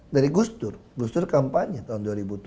dari gustur gustur kampanye tahun dua ribu tujuh